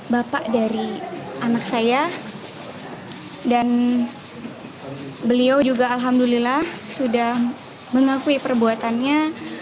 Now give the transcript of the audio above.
bapak dari anak saya dan beliau juga alhamdulillah sudah mengakui perbuatannya